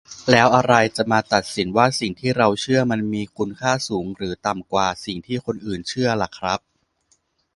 แล้วอะไรจะมาตัดสินว่า สิ่งที่เราเชื่อ มันมีคุณค่าสูงหรือต่ำกว่า สิ่งที่คนอื่นเชื่อ ล่ะครับ ?